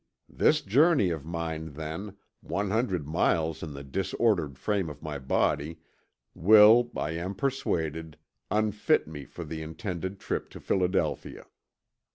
This journey of mine then, 100 miles, in the disordered frame of my body, will, I am persuaded, unfit me for the intended trip to Philadelphia."